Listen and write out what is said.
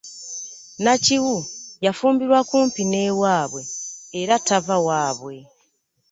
Nakiwu yafumbirwa kumpi n'ewaabwe era tava waabwe.